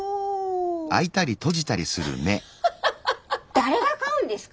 誰が買うんですか？